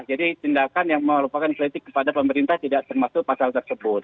jadi tindakan yang merupakan kritik kepada pemerintah tidak termasuk pasal tersebut